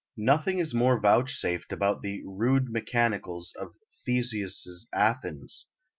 Nothing more is vouchsafed about the "rude mechanicals" of Theseus's Athens.